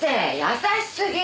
優し過ぎ！